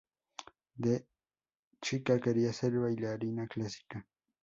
De chica quería ser bailarina clásica.